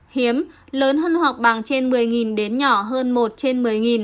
hiếm lớn hơn hoặc bằng trên một mươi đến nhỏ hơn một trên một mươi